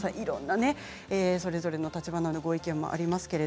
それぞれの立場のご意見もあります。